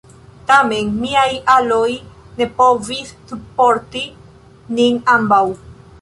Tamen, miaj aloj ne povis subporti nin ambaŭ.